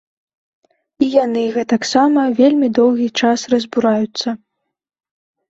І яны гэтаксама вельмі доўгі час разбураюцца.